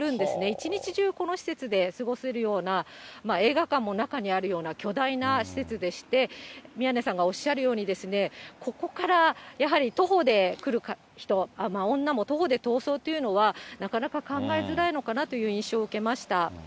一日中この施設で過ごせるような、映画館も中にあるような巨大な施設でして、宮根さんがおっしゃるように、ここからやはり、徒歩で来る人、女も徒歩で逃走というのは、なかなか考えづらいのかなという印象分かりました。